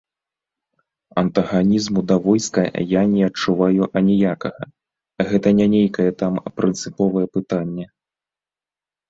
Антаганізму да войска я не адчуваю аніякага, гэта не нейкае там прынцыповае пытанне.